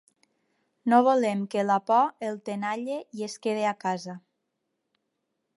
No volem que la por el tenalle i es quede a casa.